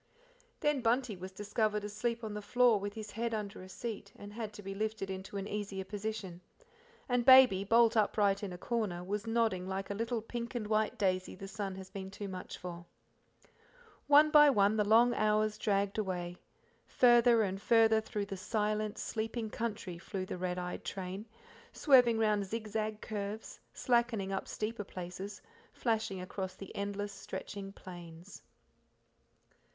Then Bunty was discovered asleep on the floor with his head under a seat, and had to be lifted into an easier position; and Baby, bolt upright in a corner, was nodding like a little pink and white daisy the sun has been too much for. One by one the long hours dragged away; farther and farther through the silent, sleeping country flew the red eyed train, swerving round zigzag curves, slackening up steeper places, flashing across the endless stretching plains.